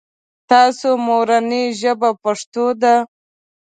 تاسو مورنۍ ژبه پښتو ده ؟